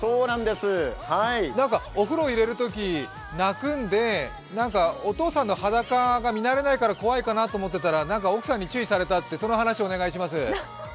お風呂に入れるとき泣くんでお父さんの裸が見慣れなくて怖いかなと思ってたら、なんか奥さんに注意されたってその話をお願いします。